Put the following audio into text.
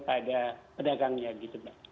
pada pedagangnya gitu pak